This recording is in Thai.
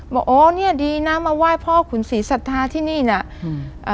บอกอ๋อเนี้ยดีนะมาไหว้พ่อขุนศรีสัทธาที่นี่น่ะอืมอ่า